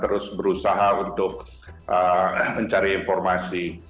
terus berusaha untuk mencari informasi